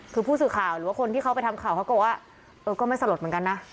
คือผู้สื่อข่าวหรือว่าคนที่เขาไปทำข่าวเขาก็บอกว่าเออก็ไม่สลดเหมือนกันนะ